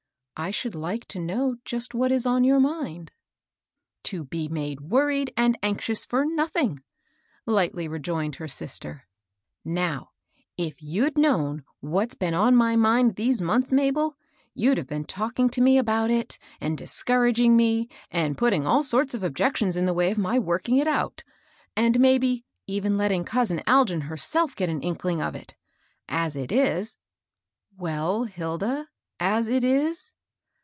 I should like to know just what is on your mind." 58 MABEL ROSS. To be made worried and anxious for noth ing," lightly rejoined her sister. " Now, if you'd known what's been on my mind these months, Ma bel, you'd have been talking to me about it, and discouraging me, and putting all sorts of objec tions in the way of my working it out ; and, may be, even letting cousin Algin herself get an ink ling of it. As it is "— "Well, Hilda, — as it is?"